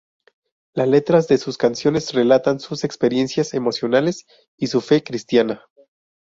Las letras de sus canciones relatan sus experiencias emocionales y su fe cristiana.